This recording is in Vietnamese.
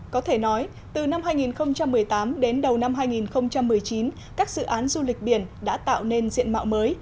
có thể nói từ năm hai nghìn một mươi tám đến đầu năm hai nghìn một mươi chín các dự án du lịch biển đã tạo nên diện mạo mới